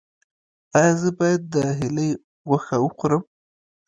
ایا زه باید د هیلۍ غوښه وخورم؟